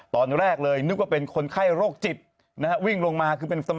ตอนแรกเลยนึกว่าเป็นคนไข้โรคจิตนะฮะวิ่งลงมาคือเป็น